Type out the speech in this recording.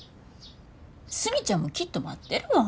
スミちゃんもきっと待ってるわ。